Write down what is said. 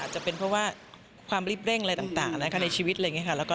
จะเป็นเพราะว่าความรีบเร่งอะไรต่างในชีวิตอะไรอย่างนี้ค่ะ